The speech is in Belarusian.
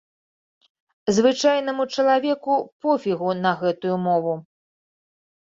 Звычайнаму чалавеку пофігу на гэтую мову.